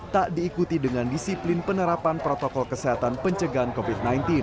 tak diikuti dengan disiplin penerapan protokol kesehatan pencegahan covid sembilan belas